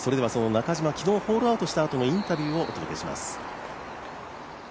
中島、昨日ホールアウトしたあとのインタビューをお届けします。